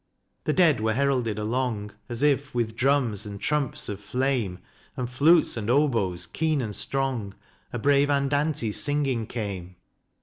The dead were heralded along ; As if with drums and trumps of flame And flutes and oboes keen and strong A brave andante singing came.